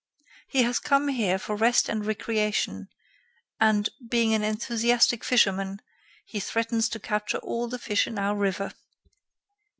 He has come here for rest and recreation, and, being an enthusiastic fisherman, he threatens to capture all the fish in our river."